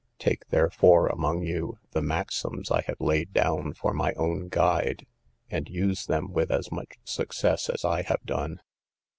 Take therefore among you, the maxims I have laid down for my own guide, and use them with as much success as I have done.